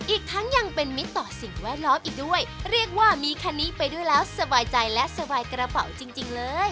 อีกทั้งยังเป็นมิตรต่อสิ่งแวดล้อมอีกด้วยเรียกว่ามีคันนี้ไปด้วยแล้วสบายใจและสบายกระเป๋าจริงจริงเลย